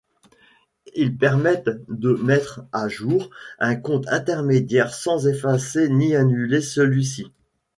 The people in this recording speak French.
Ils permettent de mettre à jour un compte intermédiaire sans effacer ni annuler celui-ci.